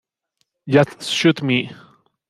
Just Shoot Me!